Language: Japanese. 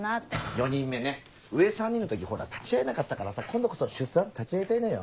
４人目ね上３人の時立ち会えなかったからさ今度こそ出産立ち会いたいのよ。